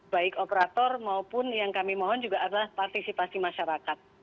baik operator maupun yang kami mohon juga adalah partisipasi masyarakat